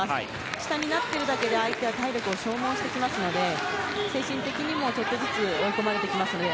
下になっているだけで相手は体力を消耗するので精神的にも、ちょっとずつ追い込まれてきますので。